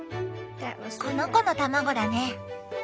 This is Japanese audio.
この子の卵だね！